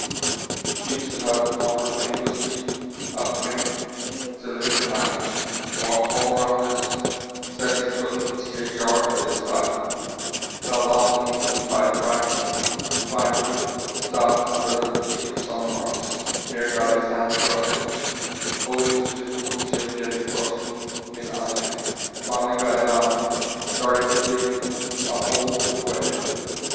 He seems to have wandered aimlessly up wind till he hit an island; he walked all round this; says he couldn't see a yard at this time; fell often into the tide crack; finally stopped under the lee of some rocks; here got his hand frostbitten owing to difficulty of getting frozen mit on again, finally got it on; started to dig a hole to wait in.